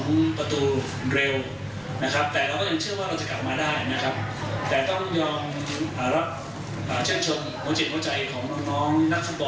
ของกรรมการแต่เรามีปัญหาตั้งแต่แบบแรกแล้วนะครับ